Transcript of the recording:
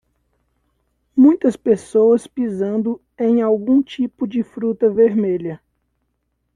Muitas pessoas pisando em algum tipo de fruta vermelha.